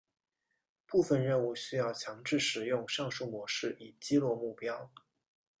部分任务需要强制使用上述模式以击落目标。